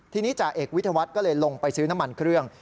ทีนี้จ่าเอกวิทยาวัฒน์ก็เลยลงไปซื้อน้ำมันเครื่อง